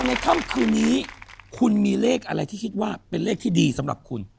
ในค่ำคืนนี้คุณมีเลขอะไรที่คิดว่าเป็นเลขที่ดีสำหรับคุณ